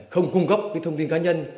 không cung cấp cái thông tin cá nhân